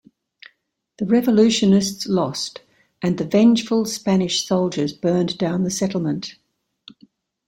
The revolutionists lost and the vengeful Spanish soldiers burned down the settlement.